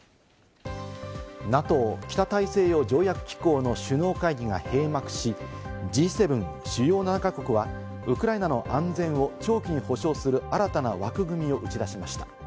ＮＡＴＯ＝北大西洋条約機構の首脳会議が閉幕し、Ｇ７＝主要７か国はウクライナの安全を長期に保障する新たな枠組みを打ち出しました。